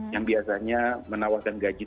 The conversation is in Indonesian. yang biasanya menawarkan gaji